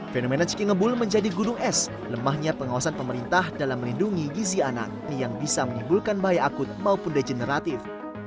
fenomena ciki ngebul menjadi gunung es lemahnya pengawasan pemerintah dalam melindungi gizi anak yang bisa menimbulkan bahaya akut maupun degeneratif